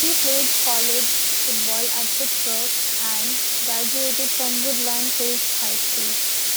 He played college football at Pittsburgh and graduated from Woodland Hills High School.